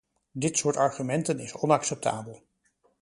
Dit soort argumenten is onacceptabel.